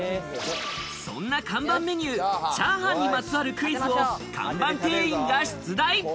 そんな看板メニュー、チャーハンにまつわるクイズを看板店員が出題。